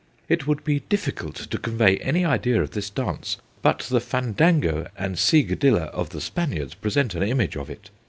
It would be difficult to convey any idea of this dance; but the Fandango and Segue dilla of the Spaniards present an image of it.